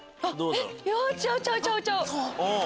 えっ？